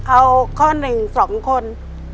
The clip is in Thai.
เอาข้อหนึ่ง๒คน